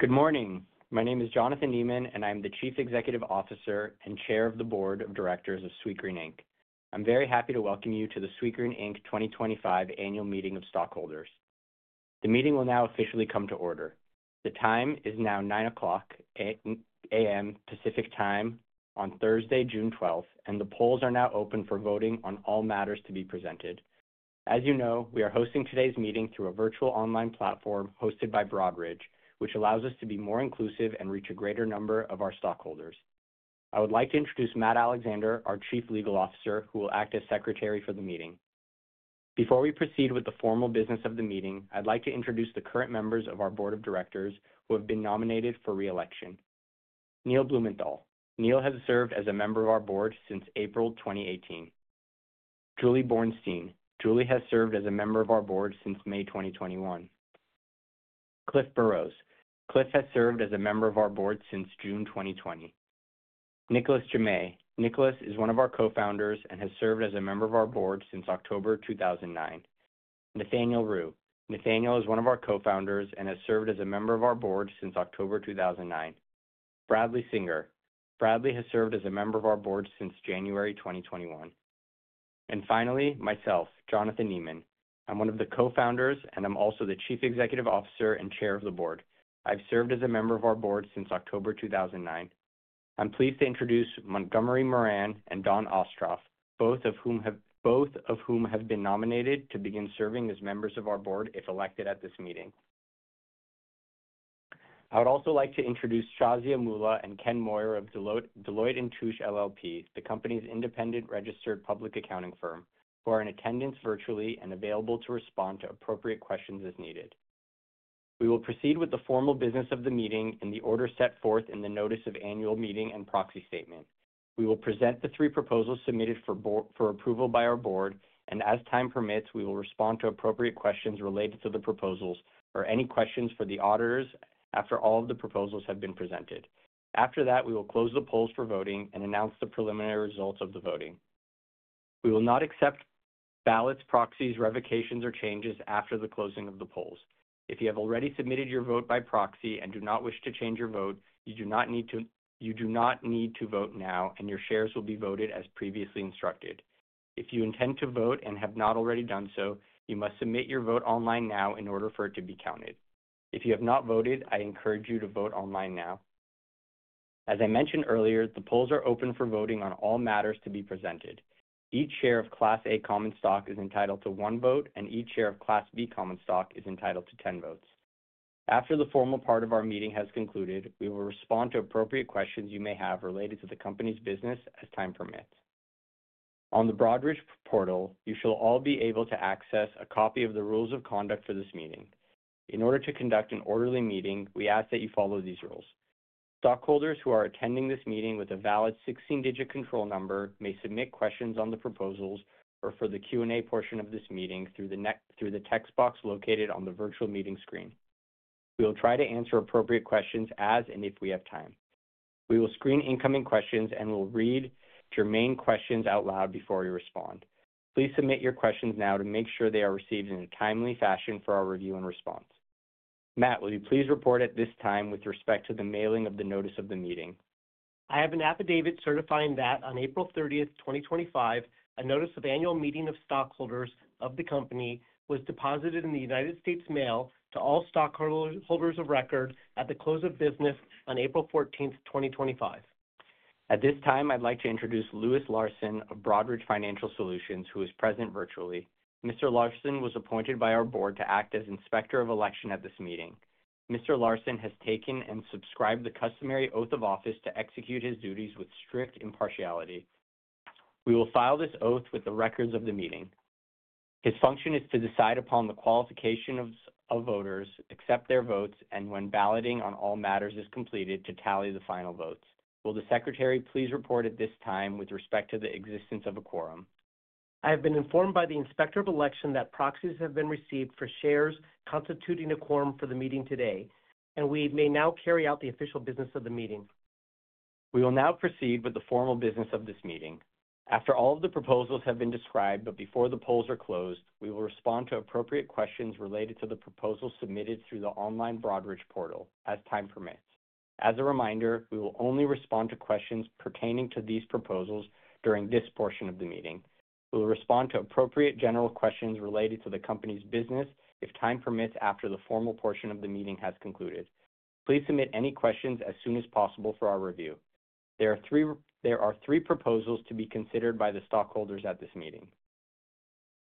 Good morning. My name is Jonathan Neman, and I'm the Chief Executive Officer and Chair of the Board of Directors of Sweetgreen Inc. I'm very happy to welcome you to the Sweetgreen Inc 2025 Annual Meeting of Stockholders. The meeting will now officially come to order. The time is now 9:00 A.M. Pacific Time on Thursday, June 12th, and the polls are now open for voting on all matters to be presented. As you know, we are hosting today's meeting through a virtual online platform hosted by Broadridge, which allows us to be more inclusive and reach a greater number of our stockholders. I would like to introduce Matt Alexander, our Chief Legal Officer, who will act as Secretary for the meeting. Before we proceed with the formal business of the meeting, I'd like to introduce the current members of our Board of Directors who have been nominated for reelection: Neil Blumenthal. Neil has served as a member of our board since April 2018. Julie Bornstein. Julie has served as a member of our board since May 2021. Cliff Burrows. Cliff has served as a member of our board since June 2020. Nicolas Jammet. Nicolas is one of our co-founders and has served as a member of our board since October 2009. Nathaniel Ru. Nathaniel is one of our co-founders and has served as a member of our board since October 2009. Bradley Singer. Bradley has served as a member of our board since January 2021. Finally, myself, Jonathan Neman. I'm one of the co-founders, and I'm also the Chief Executive Officer and Chair of the Board. I've served as a member of our board since October 2009. I'm pleased to introduce Montgomery Moran and Dawn Ostroff, both of whom have been nominated to begin serving as members of our board if elected at this meeting. I would also like to introduce Shazia [Mulla] and Ken Moyer of Deloitte & Touche LLP, the company's independent registered public accounting firm, who are in attendance virtually and available to respond to appropriate questions as needed. We will proceed with the formal business of the meeting in the order set forth in the Notice of Annual Meeting and Proxy Statement. We will present the three proposals submitted for approval by our board, and as time permits, we will respond to appropriate questions related to the proposals or any questions for the auditors after all of the proposals have been presented. After that, we will close the polls for voting and announce the preliminary results of the voting. We will not accept ballots, proxies, revocations, or changes after the closing of the polls. If you have already submitted your vote by proxy and do not wish to change your vote, you do not need to vote now, and your shares will be voted as previously instructed. If you intend to vote and have not already done so, you must submit your vote online now in order for it to be counted. If you have not voted, I encourage you to vote online now. As I mentioned earlier, the polls are open for voting on all matters to be presented. Each share of Class A Common Stock is entitled to one vote, and each share of Class B Common Stock is entitled to 10 votes. After the formal part of our meeting has concluded, we will respond to appropriate questions you may have related to the company's business as time permits. On the Broadridge portal, you shall all be able to access a copy of the rules of conduct for this meeting. In order to conduct an orderly meeting, we ask that you follow these rules. Stockholders who are attending this meeting with a valid 16-digit control number may submit questions on the proposals or for the Q&A portion of this meeting through the text box located on the virtual meeting screen. We will try to answer appropriate questions as and if we have time. We will screen incoming questions and will read your main questions out loud before you respond. Please submit your questions now to make sure they are received in a timely fashion for our review and response. Matt, will you please report at this time with respect to the mailing of the Notice of the Meeting? I have an affidavit certifying that on April 30, 2025, a Notice of Annual Meeting of Stockholders of the Company was deposited in the United States Mail to all stockholders of record at the close of business on April 14th, 2025. At this time, I'd like to introduce Louis Larsen of Broadridge Financial Solutions, who is present virtually. Mr. Larsen was appointed by our board to act as Inspector of Election at this meeting. Mr. Larsen has taken and subscribed the customary oath of office to execute his duties with strict impartiality. We will file this oath with the records of the meeting. His function is to decide upon the qualification of voters, accept their votes, and when balloting on all matters is completed, to tally the final votes. Will the Secretary please report at this time with respect to the existence of a quorum? I have been informed by the Inspector of Election that proxies have been received for shares constituting a quorum for the meeting today, and we may now carry out the official business of the meeting. We will now proceed with the formal business of this meeting. After all of the proposals have been described, but before the polls are closed, we will respond to appropriate questions related to the proposals submitted through the online Broadridge portal as time permits. As a reminder, we will only respond to questions pertaining to these proposals during this portion of the meeting. We will respond to appropriate general questions related to the company's business if time permits after the formal portion of the meeting has concluded. Please submit any questions as soon as possible for our review. There are three proposals to be considered by the stockholders at this meeting.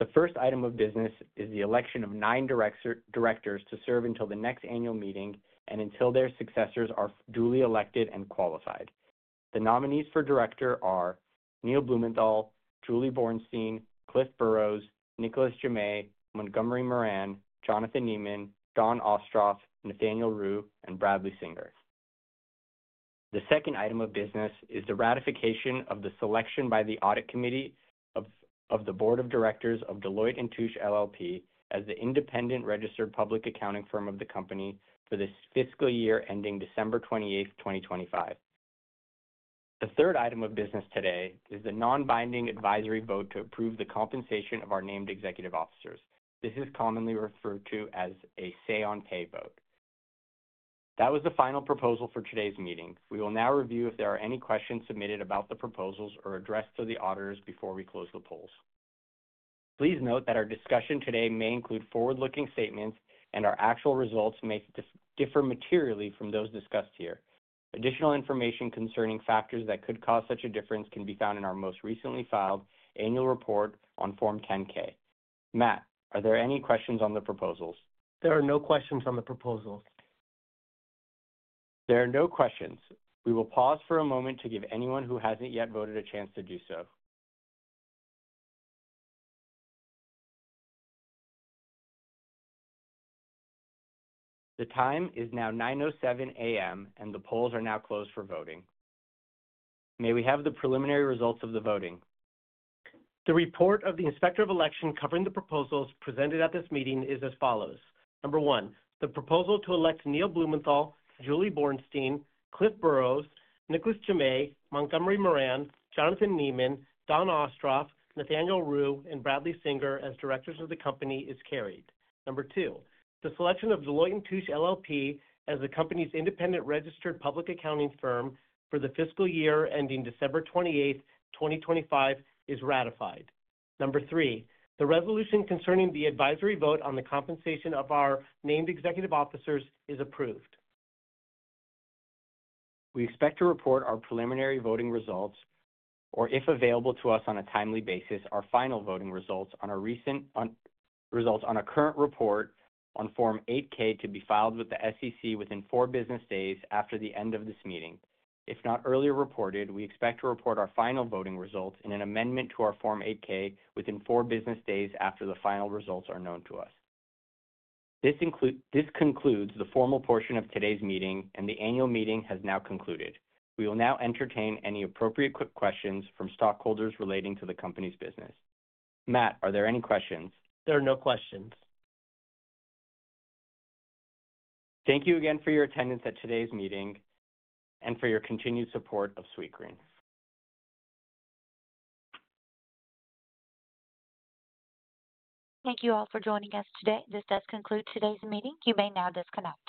The first item of business is the election of nine directors to serve until the next annual meeting and until their successors are duly elected and qualified. The nominees for director are Neil Blumenthal, Julie Bornstein, Cliff Burrows, Nicolas Jammet, Montgomery Moran, Jonathan Neman, Dawn Ostroff, Nathaniel Ru, and Bradley Singer. The second item of business is the ratification of the selection by the Audit Committee of the Board of Directors of Deloitte & Touche LLP as the independent registered public accounting firm of the company for this fiscal year ending December 28, 2025. The third item of business today is the non-binding advisory vote to approve the compensation of our named executive officers. This is commonly referred to as a say-on-pay vote. That was the final proposal for today's meeting. We will now review if there are any questions submitted about the proposals or addressed to the auditors before we close the polls. Please note that our discussion today may include forward-looking statements, and our actual results may differ materially from those discussed here. Additional information concerning factors that could cause such a difference can be found in our most recently filed annual report on Form 10-K. Matt, are there any questions on the proposals? There are no questions on the proposals. There are no questions. We will pause for a moment to give anyone who hasn't yet voted a chance to do so. The time is now 9:07 A.M., and the polls are now closed for voting. May we have the preliminary results of the voting? The report of the Inspector of Election covering the proposals presented at this meeting is as follows. Number one, the proposal to elect Neil Blumenthal, Julie Bornstein, Cliff Burrows, Nicolas Jammet, Montgomery Moran, Jonathan Neman, Dawn Ostroff, Nathaniel Ru, and Bradley Singer as directors of the company is carried. Number two, the selection of Deloitte & Touche LLP as the company's independent registered public accounting firm for the fiscal year ending December 28, 2025 is ratified. Number three, the resolution concerning the advisory vote on the compensation of our named executive officers is approved. We expect to report our preliminary voting results or, if available to us on a timely basis, our final voting results on a current report on Form 8-K to be filed with the SEC within four business days after the end of this meeting. If not earlier reported, we expect to report our final voting results in an amendment to our Form 8-K within four business days after the final results are known to us. This concludes the formal portion of today's meeting, and the annual meeting has now concluded. We will now entertain any appropriate quick questions from stockholders relating to the company's business. Matt, are there any questions? There are no questions. Thank you again for your attendance at today's meeting and for your continued support of Sweetgreen. Thank you all for joining us today. This does conclude today's meeting. You may now disconnect.